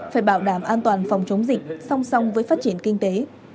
phải bảo đảm an toàn phòng chống dịch song song với phát triển kinh tế